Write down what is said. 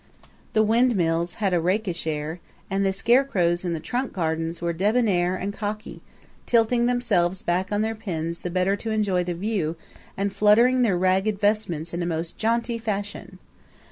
The windmills had a rakish air; and the scarecrows in the truck gardens were debonair and cocky, tilting themselves back on their pins the better to enjoy the view and fluttering their ragged vestments in a most jaunty fashion.